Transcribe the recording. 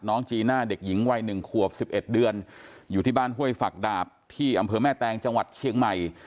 จีน่าเด็กหญิงวัย๑ขวบ๑๑เดือนอยู่ที่บ้านห้วยฝักดาบที่อำเภอแม่แตงจังหวัดเชียงใหม่